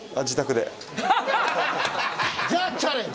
じゃあチャレンジ。